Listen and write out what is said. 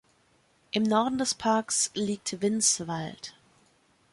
Im Norden des Parks liegt Winns Wald.